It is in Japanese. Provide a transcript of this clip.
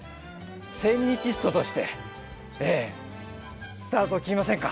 センニチストとしてええスタートを切りませんか？